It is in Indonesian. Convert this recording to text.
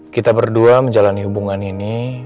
kita berdua menjalani hubungan ini